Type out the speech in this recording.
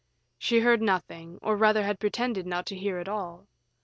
She heard nothing, or rather had pretended not to hear at all.